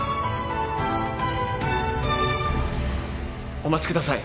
お待ちください。